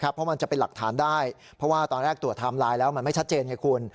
เพราะมันจะเป็นหลักฐานได้เพราะว่าตอนแรกตรวจไทม์ไลน์แล้วมันไม่ชัดเจนไงคุณ